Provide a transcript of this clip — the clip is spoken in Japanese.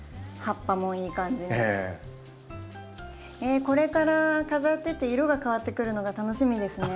えっこれから飾ってて色が変わってくるのが楽しみですね。